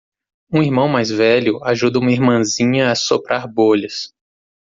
Um irmão mais velho ajuda uma irmãzinha a soprar bolhas.